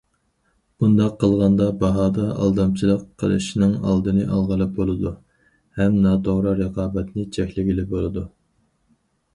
بۇنداق قىلغاندا باھادا ئالدامچىلىق قىلىشنىڭ ئالدىنى ئالغىنى بولىدۇ ھەم ناتوغرا رىقابەتنى چەكلىگىلى بولىدۇ.